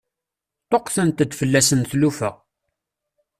Ṭṭuqqtent-d fell-asen tlufa.